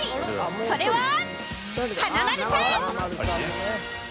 それは華丸さん。